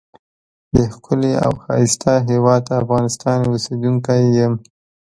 دښکلی او ښایسته هیواد افغانستان اوسیدونکی یم.